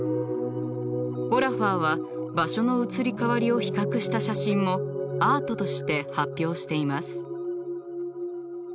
オラファーは場所の移り変わりを比較した写真もアートとして発表しています。